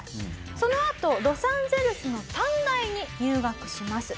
そのあとロサンゼルスの短大に入学します。